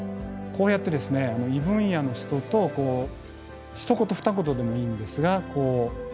こうやってですね異分野の人とひと言ふた言でもいいんですが話をする。